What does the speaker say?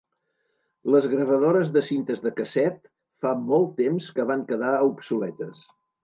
Les gravadores de cintes de casset fa molt temps que van quedar obsoletes.